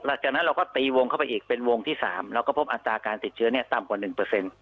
จากนั้นเราก็ตีวงเข้าไปอีกเป็นวงที่๓เราก็พบอัตราการติดเชื้อเนี่ยต่ำกว่า๑เปอร์เซ็นต์